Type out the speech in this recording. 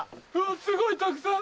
すごいたくさん。